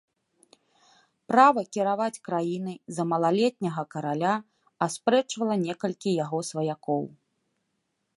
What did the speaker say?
Права кіраваць краінай за малалетняга караля аспрэчвала некалькі яго сваякоў.